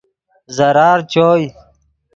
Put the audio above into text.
ضرار چوئے